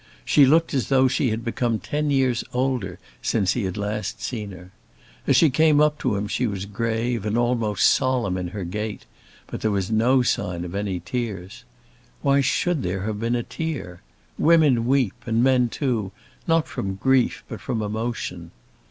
She looked as though she had become ten years older since he had last seen her. As she came up to him she was grave and almost solemn in her gait, but there was no sign of any tears. Why should there have been a tear? Women weep, and men too, not from grief, but from emotion.